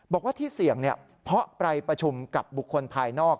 บอกว่าที่เสี่ยงเพราะไปประชุมกับบุคคลภายนอก